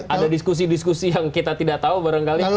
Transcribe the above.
ada diskusi diskusi yang kita tidak tahu barangkali